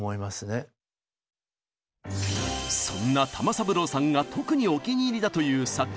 そんな玉三郎さんが特にお気に入りだという作曲家が２人いるんです。